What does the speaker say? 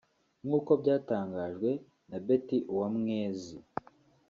nk’uko byatangajwe na Betty Uwamwezi